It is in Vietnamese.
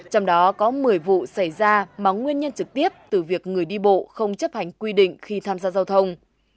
trong đó có một mươi vụ xảy ra mà nguyên nhân trực tiếp từ việc người đi bộ không chấp hành quy định khi tham gia giao thông